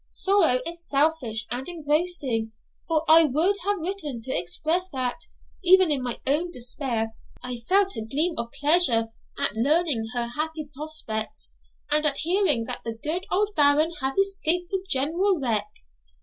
Sorrow is selfish and engrossing, or I would have written to express that, even in my own despair, I felt a gleam of pleasure at learning her happy prospects, and at hearing that the good old Baron has escaped the general wreck.